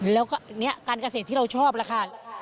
แล้วก็นี่มันการเกษตรที่เราชอบแหละ